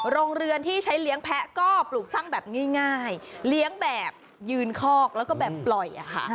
โรงเรือนที่ใช้เลี้ยงแพ้ก็ปลูกสร้างแบบง่ายเลี้ยงแบบยืนคอกแล้วก็แบบปล่อยค่ะ